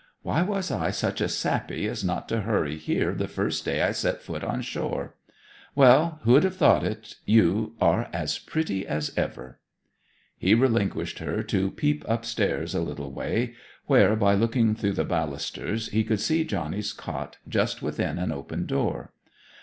Why was I such a sappy as not to hurry here the first day I set foot on shore! Well, who'd have thought it you are as pretty as ever!' He relinquished her to peep upstairs a little way, where, by looking through the ballusters, he could see Johnny's cot just within an open door.